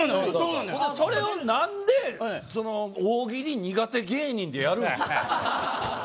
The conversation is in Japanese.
それをなんで大喜利苦手芸人でやるんですか。